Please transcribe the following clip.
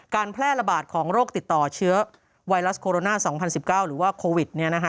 การแพร่ระบาดของโรคติดต่อเชื้อไวรัสโคโรนา๒๐๑๙หรือว่าโควิด